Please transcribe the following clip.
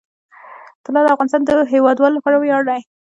طلا د افغانستان د هیوادوالو لپاره ویاړ دی.